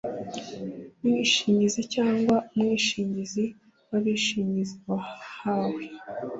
umwishingizi cyangwa umwishingizi w’abishingizi wahawe